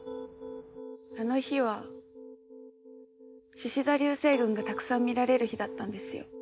あの日は獅子座流星群がたくさん見られる日だったんですよ。